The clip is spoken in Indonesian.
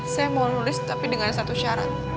saya mau nulis tapi dengan satu syarat